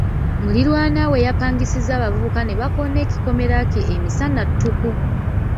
Muliraanwa we yapangisizza abavubuka ne bakoona ekikomera kye emisana ttuku.